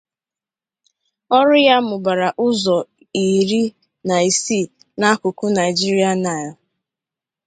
Ọrụ ya mụbara ụzọ iri na isị na akụkụ Nigeria nile.